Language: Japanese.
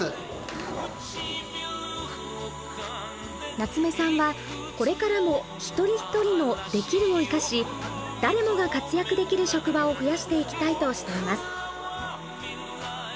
夏目さんはこれからも一人一人の「できる」を生かし誰もが活躍できる職場を増やしていきたいとしています。